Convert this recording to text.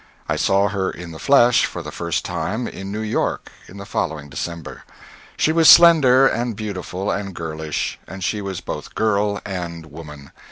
I saw her in the flesh for the first time in New York in the following December. She was slender and beautiful and girlish and she was both girl and woman.